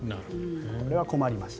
これは困りました。